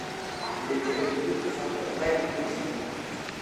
Il était réputé pour faire de la taille de prises.